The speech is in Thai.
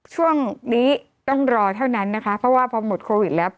ช่วงนี้ต้องรอเท่านั้นนะคะเพราะว่าพอหมดโควิดแล้ว